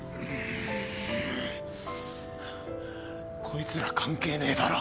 こいつら関係ねえだろ。